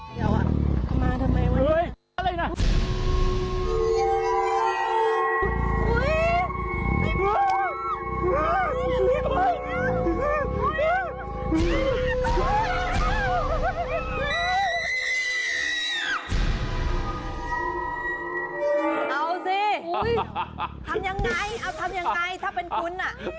เอาสิทำยังไงเอาทำยังไงถ้าเป็นคุณอ่ะ